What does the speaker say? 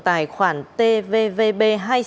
tài khoản tvvb hai mươi sáu